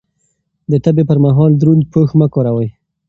د تبه پر مهال دروند پوښ مه کاروئ.